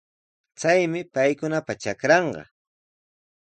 Chaymi paykunapa trakranqa.